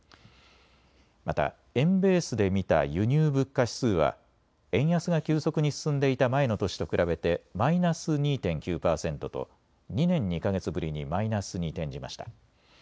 また円ベースで見た輸入物価指数は円安が急速に進んでいた前の年と比べてマイナス２．９％と２年２か月ぶりにマイナスに転じました。